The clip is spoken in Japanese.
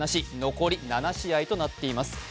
残り７試合となっています。